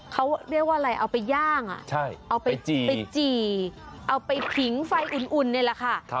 เขาเรียกว่าอะไรเอาไปย่างเอาไปจี่เอาไปผิงไฟอุ่นนี่แหละค่ะ